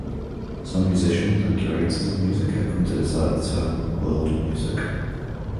Some musicians and curators of music have come to dislike the term "world music".